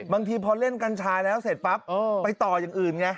บางทีพอเล่นกัญชาแล้วเสร็จปั๊บไปต่ออย่างอื่นไง